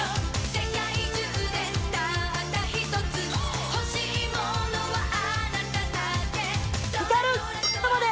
世界中でたったひとつ欲しいものはあなただけ光る玉で